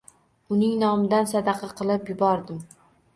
Uning nomidan sadaqa qilib yubordim